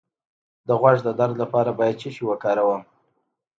د غوږ د درد لپاره باید څه شی وکاروم؟